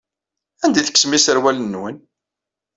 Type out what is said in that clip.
Anda ay tekksem iserwalen-nwen?